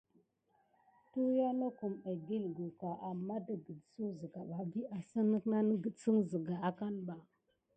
Tuyiya nokum ekikucka aman tikisuk siga ɓa vi asine nesine.